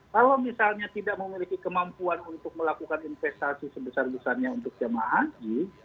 kalau misalnya tidak memiliki kemampuan untuk melakukan investasi sebesar besarnya untuk jamaah haji